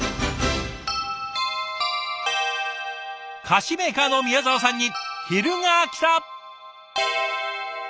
菓子メーカーの宮澤さんに昼がきた！